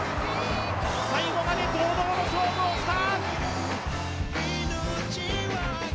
最後まで堂々の勝負をした！